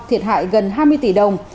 thiệt hại gần hai mươi tỷ đồng